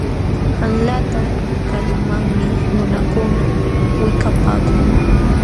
Qanlata kalumanmi nunakuna wikapapaakun.